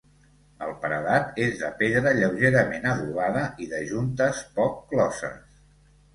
El paredat és de pedra lleugerament adobada i de juntes poc closes.